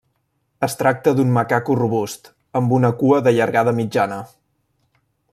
Es tracta d'un macaco robust, amb una cua de llargada mitjana.